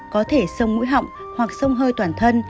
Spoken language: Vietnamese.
có thể sông mũi họng hoặc sông hơi toàn thân